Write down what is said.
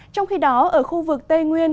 trong khi đó ở khu vực tây nguyên